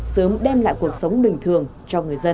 sớm đem lại cuộc sống bình thường cho người dân